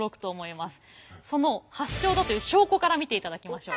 その発祥だという証拠から見ていただきましょう。